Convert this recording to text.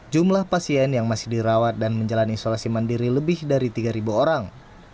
jumlah pasien yang masih dirawat dan menjalani isolasi mandiri lebih dari tiga orang